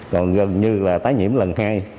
còn gần như là tái nhiễm lần hai